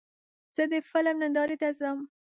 زه د فلم نندارې ته ځم.